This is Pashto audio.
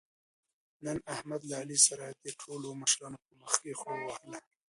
نن احمد له علي سره د ټولو مشرانو په مخکې خوله ووهله.